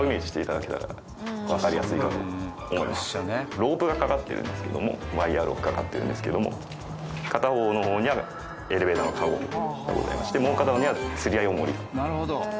ロープが掛かってるんですけどもワイヤロープ掛かってるんですけども片方の方にはエレベーターのカゴがございましてもう片方には釣合おもり繋がっております。